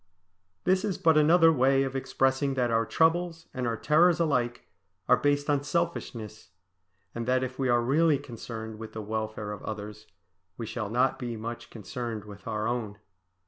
This is but another way of expressing that our troubles and our terrors alike are based on selfishness, and that if we are really concerned with the welfare of others we shall not be much concerned with our own.